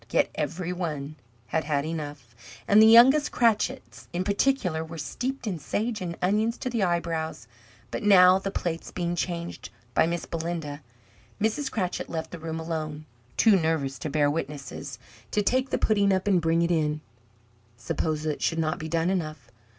Yet every one had had enough, and the youngest Cratchits in particular were steeped in sage and onion to the eyebrows! But now, the plates being changed by Miss Belinda, Mrs. Cratchit left the room alone too nervous to bear witnesses to take the pudding up, and bring it in. Suppose it should not be done enough?